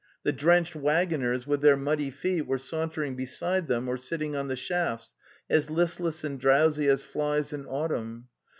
The drenched waggoners, with their muddy feet, were sauntering beside them or sitting on the shafts, as listless and drowsy as flies in autumn.